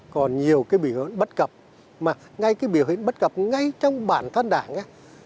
còn nhiều cái biểu hướng bất cập mà ngay cái biểu hiện bất cập ngay trong bản thân đảng